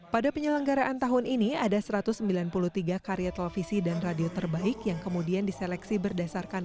pada penyelenggaraan tahun ini ada satu ratus sembilan puluh tiga karya televisi dan radio terbaik yang kemudian diseleksi berdasarkan